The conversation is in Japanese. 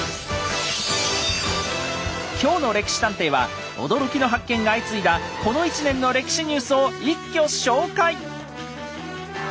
今日の「歴史探偵」は驚きの発見が相次いだこの１年の歴史ニュースを一挙紹介！